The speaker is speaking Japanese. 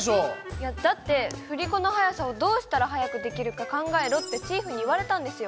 いやだって振り子の速さをどうしたら速くできるか考えろってチーフに言われたんですよ。